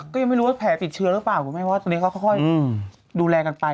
ก็ยังไม่รู้ว่าแผลติดเชื้อหรือเปล่าคุณแม่เพราะว่าตอนนี้เขาค่อยดูแลกันไป